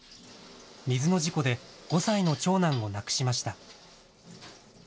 水の事故で５歳の長男を亡くしました。